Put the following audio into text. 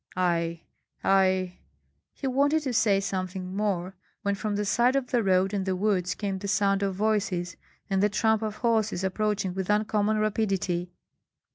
"I I " He wanted to say something more, when from the side of the road and the woods came the sound of voices and the tramp of horses approaching with uncommon rapidity.